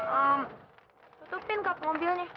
ehm tutupin kok mobilnya